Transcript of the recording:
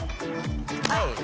はい！